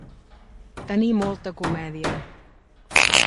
Tenir molta comèdia.